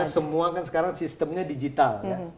karena semua kan sekarang sistemnya digital